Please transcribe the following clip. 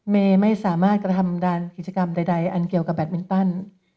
เมย์ไม่สามารถกระทำด้านกิจกรรมใดอันเกี่ยวกับแบตมินตัน